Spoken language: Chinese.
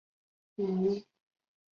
武勒热扎克。